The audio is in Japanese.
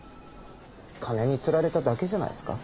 金に釣られただけじゃないですか？